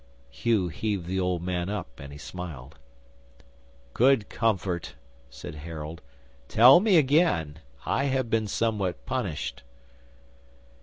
'Hugh heaved the old man up and he smiled. '"Good comfort," said Harold. "Tell me again! I have been somewhat punished."